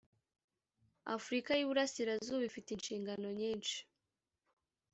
Afurika y Iburasirazuba ifite inshingano nyinshi